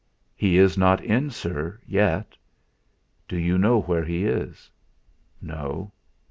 "He is not in, sir, yet." "Do you know where he is?" "No."